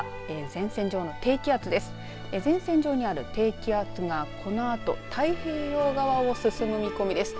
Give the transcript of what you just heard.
前線上にある低気圧がこのあと太平洋側を進む見込みです。